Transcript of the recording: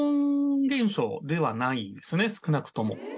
少なくとも。